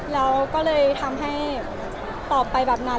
แล้วก็เลยทำให้ตอบไปแบบนั้น